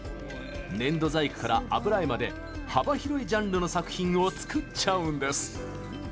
粘土細工から油絵まで幅広いジャンルの作品を作っちゃうんです！